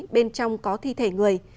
bên trong có thi thể người